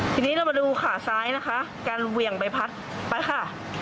ทีนี้เรามาดูขาซ้ายนะคะการเหวี่ยงใบพัดไปค่ะ